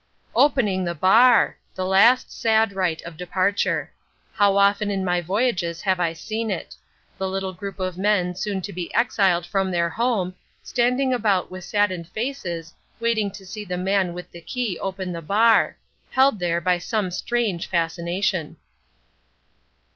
Opening the bar! the last sad rite of departure. How often in my voyages have I seen it; the little group of men soon to be exiled from their home, standing about with saddened faces, waiting to see the man with the key open the bar—held there by some strange fascination.